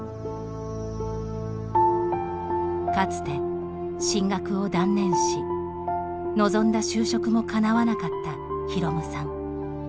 かつて進学を断念し望んだ就職もかなわなかった滌さん。